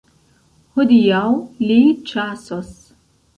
Hodiaŭ li ĉasos.